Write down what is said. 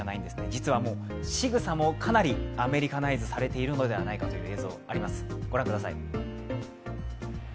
実はしぐさもかなりアメリカナイズされてるのじゃないかという映像、ご覧ください。